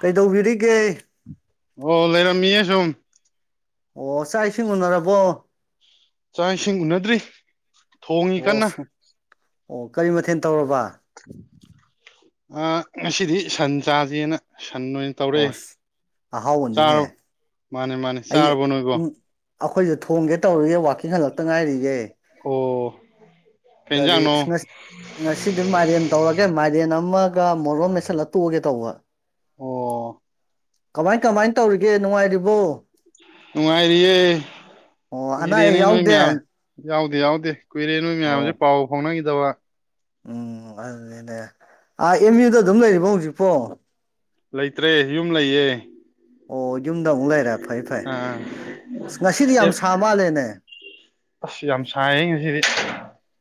ꯀꯩꯗꯧꯕꯤꯔꯤꯒꯦ꯫ ꯑꯣ ꯂꯩꯔꯝꯃꯤꯌꯦ ꯁꯨꯝ꯫ ꯑꯣ ꯆꯥꯛ ꯏꯁꯤꯡ ꯎꯅꯔꯕꯣ ꯆꯥꯛ ꯏꯁꯤꯡ ꯎꯅꯗ꯭ꯔꯤ꫰꫰ ꯊꯣꯡꯉꯤ ꯑꯣ ꯀꯟꯅ ꯁꯨꯝ ꯑꯣ ꯀꯔꯤ ꯃꯊꯦꯜ ꯇꯧꯔꯕ꯫ ꯑ ꯉꯁꯤꯗꯤ ꯁꯟ ꯆꯥꯥꯁꯦꯅ ꯁꯟ ꯑꯣꯏꯅ ꯇꯧ ꯑꯣꯁ ꯑꯍꯥꯎꯕꯅꯤꯅꯦ ꯆꯥꯔꯕ ꯃꯥꯅꯦ ꯃꯥꯅꯦ ꯑꯩ ꯆꯥꯔꯕꯣ ꯅꯣꯏꯕꯣ ꯎꯝ ꯑꯩꯈꯣꯏꯁꯨ ꯊꯣꯡꯒꯦ ꯇꯧꯔꯤꯌ‌ꯦ ꯋꯥꯀꯤꯡ ꯍꯜꯂꯛꯇ ꯉꯥꯏꯔꯤꯌ‌ꯦ ꯍꯣꯑꯣ꯫ ꯀꯔꯤ ꯏꯁ ꯉ ꯉꯁꯤꯗꯤ ꯃꯥꯏꯔꯦꯟ ꯇꯧꯔꯒꯦ ꯃꯥꯏꯔꯦꯟ ꯑꯃꯒ ꯃꯣꯔꯣꯟ ꯑꯃ ꯃꯩꯁꯠꯂ ꯇꯣꯛꯑꯒꯦ ꯇꯧꯕ꯫ ꯑꯣ꯫ ꯀꯃꯥꯏꯟ ꯀꯃꯥꯏꯟ ꯇꯧꯔꯤꯒꯦ ꯅꯨꯡꯉꯥꯏꯔꯤꯕꯣ꯫ ꯅꯨꯡꯉꯥꯏꯔꯤꯌꯦ ꯑꯣ ꯑꯅꯥ ꯑꯌꯦꯛ ꯀꯨꯏꯔꯦꯅꯦ ꯅꯣꯏ ꯌꯥꯎꯗꯦ ꯃꯌꯥꯝ ꯌꯥꯎꯗꯦ ꯌꯥꯎꯗꯦ ꯀꯨꯏꯔꯦ ꯅꯣꯏ ꯃꯌꯥꯝꯁꯦ ꯑꯣ ꯄꯥꯎ ꯐꯥꯎꯅꯈꯤꯗꯕ ꯎꯝ ꯑꯗꯨꯅꯦ ꯑꯥ ꯑꯦꯝ ꯌꯨꯗ ꯑꯗꯨꯝ ꯂꯩꯔꯤꯕꯣ ꯍꯧꯖꯤꯛꯐꯣ ꯂꯩꯇ꯭ꯔꯦ ꯌꯨꯝ ꯂꯩꯌꯦ ꯑꯣ ꯌꯨꯝꯗ ꯑꯃꯨꯛ ꯂꯩꯔꯦ ꯐꯩ ꯐꯩ ꯑꯥ ꯑꯁ ꯉꯁꯤꯗꯤ ꯑꯦ ꯌꯥꯝ ꯁꯥ ꯃꯥꯜꯂꯦꯅꯦ ꯑꯁ ꯌꯥꯝ ꯁꯥꯏꯌꯦ ꯉꯁꯤꯗꯤ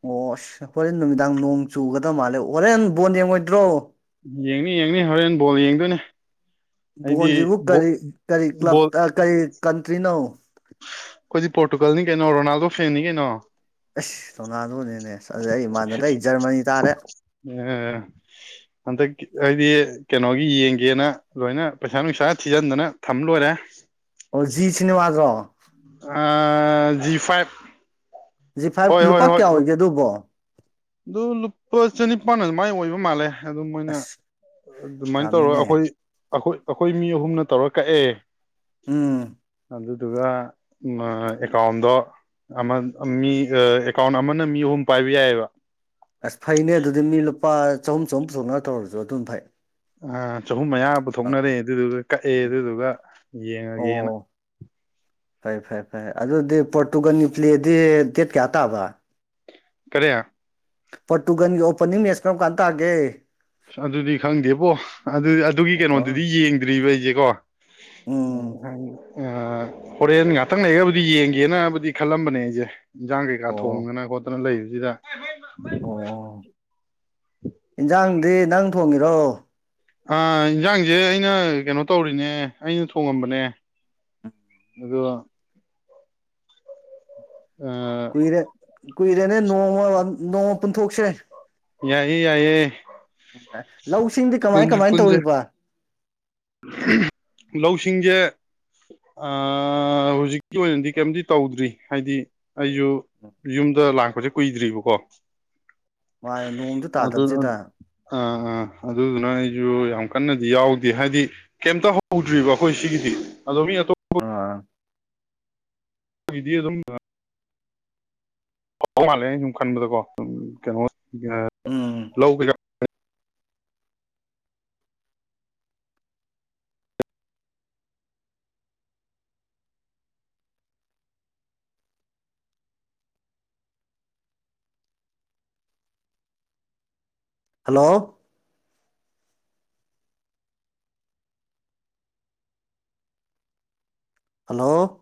ꯑꯣ ꯑꯁ ꯍꯣꯔꯦꯟ ꯅꯨꯃꯤꯗꯥꯡ ꯅꯣꯡ ꯆꯨꯒꯗꯕ ꯃꯥꯜꯂꯦ ꯍꯣꯔꯦꯟ ꯕꯣꯟ ꯌꯦꯡꯉꯣꯏꯗ꯭ꯔꯣ ꯌꯦꯡꯅꯤ ꯌꯦꯡꯅꯤ ꯍꯣꯔꯦꯟ ꯕꯣꯜ ꯌꯦꯡꯗꯣꯏꯅꯦ ꯑꯩꯗꯤ ꯕꯣꯟꯁꯤꯕꯨ ꯕꯣ ꯀꯔꯤ ꯀꯔꯤ ꯕꯣꯜ ꯀ꯭ꯂꯕꯇ ꯀꯔꯤ ꯀꯟꯇ꯭ꯔꯤꯅꯣ ꯑꯩꯈꯣꯏꯗꯤ ꯄꯣꯔꯇꯨꯒꯜꯅꯤ ꯀꯩꯅꯣ ꯔꯣꯅꯥꯜꯗꯣ ꯐꯦꯟꯅꯤ ꯀꯩꯅꯣ ꯑꯦꯁ ꯇꯣꯅꯥꯗꯨꯣꯅꯦꯅꯦ ꯑꯁ ꯑꯩ ꯏꯃꯥꯟꯅꯔꯦ ꯑꯩ ꯖꯔꯃꯅꯤ ꯇꯥꯔꯦ ꯎ ꯑꯗ ꯑꯩꯗꯤ ꯀꯩꯅꯣꯒꯤ ꯌꯦꯡꯒꯦꯅ ꯂꯣꯏꯅ ꯄꯩꯁꯥ ꯅꯨꯡꯁꯥ ꯊꯤꯖꯤꯟꯗꯅ ꯊꯝ ꯂꯣꯏꯔꯦ ꯑꯣ ꯖꯤ ꯁꯤꯅꯦꯃꯒꯣ ꯖꯤ ꯐꯥꯏꯚ ꯁꯤ ꯍꯣꯏ ꯐꯥꯏꯚ ꯍꯣꯏ ꯂꯨꯄꯥ ꯍꯣꯏ ꯀꯌꯥ ꯑꯣꯏꯒꯦ ꯑꯗꯨꯕꯣ ꯑꯗꯨ ꯂꯨꯄꯥ ꯆꯅꯤꯄꯥꯟ ꯑꯗꯨꯃꯥꯏꯅ ꯑꯣꯏꯕ ꯃꯥꯜꯂꯦ ꯑꯗꯨ ꯃꯣꯏꯅ ꯑꯁ ꯑꯗꯨꯃꯥꯏꯅ ꯇꯧꯔꯒ ꯌꯥꯝꯃꯤꯅꯦ ꯑꯩꯈꯣꯏ ꯑꯩꯈꯣꯏ ꯑꯩꯈꯣꯏ ꯃꯤ ꯑꯍꯨꯝꯅ ꯇꯧꯔ ꯀꯛꯑꯦ ꯎꯝ ꯑꯗꯨꯗꯨꯒ ꯑꯦꯀꯥꯎꯟꯗꯣ ꯃꯤ ꯑꯦꯀꯥꯎꯟ ꯑꯃꯅ ꯃꯤ ꯑꯍꯨꯝ ꯄꯥꯏꯕ ꯌꯥꯏꯌꯦꯕ ꯑꯁ ꯐꯩꯅꯦ ꯑꯗꯨꯗꯤ ꯃꯤ ꯂꯨꯄꯥ ꯆꯍꯨꯝ ꯆꯍꯨꯝ ꯄꯨꯊꯣꯛꯅꯕ ꯇꯧꯔꯁꯨ ꯑꯗꯨꯝ ꯐꯩ ꯑ ꯆꯍꯨꯝ ꯃꯌꯥ ꯄꯨꯊꯣꯛꯅꯔꯦ ꯑꯗꯨꯗꯨꯒ ꯀꯛꯑꯦ ꯑꯗꯨꯗꯨꯒ ꯌꯦꯡꯉꯒꯦꯅ ꯐꯔ ꯐꯔꯦ ꯐꯔꯩ ꯑꯗꯨꯗꯤ ꯄꯣꯔꯇꯨꯒꯜ ꯄ꯭ꯂꯦꯗꯤ ꯗꯦꯠ ꯀꯌꯥ ꯇꯥꯕ ꯀꯔꯤ ꯄꯣ ꯇꯨꯒꯟꯒꯤ ꯑꯣꯄꯅꯤꯡ ꯃꯦꯁ ꯀꯔꯝ ꯀꯥꯟ ꯇꯥꯑꯒꯦ ꯑ ꯑꯗꯨꯗꯤ ꯈꯪꯗꯦꯕꯣ ꯑꯗꯨ ꯑꯗꯨꯒꯤ ꯑꯣ ꯀꯩꯅꯣꯗꯨꯗꯤ ꯌꯦꯡꯗ꯭ꯔꯤꯕ ꯑꯩꯁꯦꯀꯣ ꯎꯝ ꯍꯥꯏ ꯍꯣꯔꯦꯟ ꯉꯥꯛꯇꯪ ꯂꯩꯒꯕꯨꯗꯤ ꯌꯦꯡꯒꯦꯅꯕꯨꯗꯤ ꯈꯜꯂꯝꯕꯅꯦ ꯑꯩꯁꯦ ꯏꯟꯁꯥꯡ ꯀꯩꯀꯥ ꯑꯣ ꯊꯣꯡꯗꯅ ꯈꯣꯠꯇꯅ ꯂꯩꯕꯁꯤꯗ ꯑꯣ ꯏꯟꯖꯥꯡꯗꯤ ꯅꯪ ꯊꯣꯡꯉꯤꯔꯣ ꯏꯟꯁꯥꯡꯁꯦ ꯑꯩꯅ ꯀꯩꯅꯣ ꯇꯧꯔꯤꯅꯦ ꯑꯩꯅ ꯊꯣꯡꯉꯝꯕꯅꯦ ꯑꯗꯨꯒ ꯑ ꯀꯨꯏꯔꯦ ꯀꯨꯏꯔꯦꯅꯦ ꯅꯣꯡꯃ ꯅꯣꯡꯃ ꯄꯨꯟꯊꯣꯛꯁ꯭ꯔꯦ ꯌꯥꯏꯌꯦ ꯌꯥꯏꯌꯦ ꯎ ꯂꯧꯁꯤꯡꯗꯤ ꯀꯃꯥꯏ ꯄꯨꯟꯁꯨ ꯀꯃꯥꯏꯅ ꯄꯨꯟꯁꯦ ꯇꯧꯔꯤꯕ ꯂꯧꯁꯤꯡꯁꯦ ꯑ ꯍꯧꯖꯤꯛꯀꯤ ꯑꯣꯏꯅꯗꯤ ꯀꯩꯝꯗꯤ ꯇꯧꯗ꯭ꯔꯤ ꯍꯥꯏꯗꯤ ꯑꯩꯁꯨ ꯌꯨꯝꯗ ꯂꯥꯛꯄꯁꯦ ꯀꯨꯏꯗ꯭ꯔꯤꯕꯀꯣ ꯃꯥ ꯅꯣꯡꯗꯨ ꯑꯗꯨ ꯇꯥꯗꯕꯁꯤꯗ ꯑꯥ ꯑꯥ ꯑꯗꯨꯗꯨꯅ ꯑꯩꯁꯨ ꯌꯥꯝ ꯀꯟꯅꯗꯤ ꯌꯥꯎꯗꯦ ꯍꯥꯏꯗꯤ ꯀꯩꯝꯇ ꯍꯧꯗ꯭ꯔꯤꯕ ꯑꯩꯈꯣꯏ ꯁꯤꯒꯤꯗꯤ ꯑꯗꯣ ꯃꯤ ꯑꯇꯣꯞꯄ ꯑꯥ ꯏ ꯑꯗꯨꯝ ꯄꯥꯎ ꯃꯥꯜꯂꯦ ꯁꯨꯝ ꯈꯟꯕꯗꯀꯣ ꯀꯩꯅꯣ ꯎꯝ ꯍꯜꯂꯣ ꯍꯜꯂꯣ